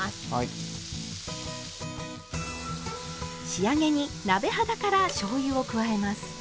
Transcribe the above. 仕上げに鍋肌からしょうゆを加えます。